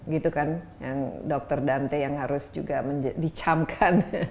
gitu kan yang dokter dante yang harus juga dicamkan